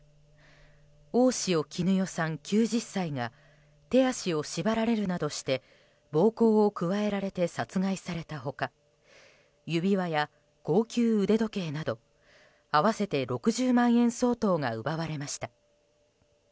大塩衣與さん、９０歳が手足を縛られるなどして暴行を加えられて殺害された他指輪や高級腕時計など合わせて６０万円相当が奪われました。